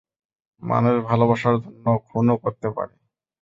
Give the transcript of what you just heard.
মানুষ ভালোবাসার জন্য খুনও করতে পারে!